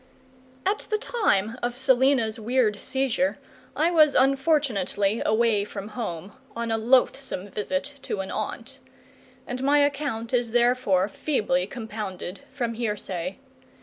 At the time of Selina's weird seizure I was unfortunately away from home, on a loathsome visit to an aunt; and my account is therefore feebly compounded from hearsay.